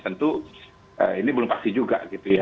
tentu ini belum pasti juga